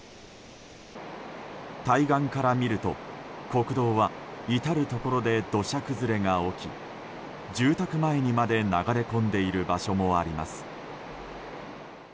対岸から見ると、国道は至るところで土砂崩れが起き住宅前にまで流れ込んでいる場所もあります。